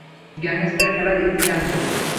এই গ্যাংস্টার খেলার ইতি টানব।